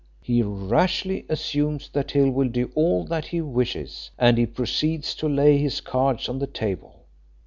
He rashly assumes that Hill will do all that he wishes, and he proceeds to lay his cards on the table.